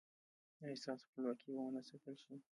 ایا ستاسو خپلواکي به و نه ساتل شي؟